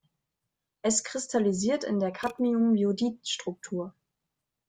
Es kristallisiert in der Cadmiumiodid-Struktur.